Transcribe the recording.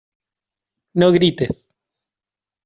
no grites.